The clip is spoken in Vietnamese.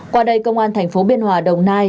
qua đây công an thành phố biên hòa đồng nai